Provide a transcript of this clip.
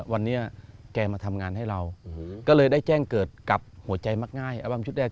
วันนี้แกมาทำงานให้เราก็เลยได้แจ้งเกิดกับหัวใจมักง่ายอัลบั้มชุดแรก